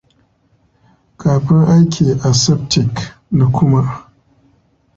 Kafin aiki aseptic, dakuma